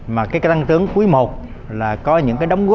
mà cái tăng trưởng quý i là có những cái đóng góp nhất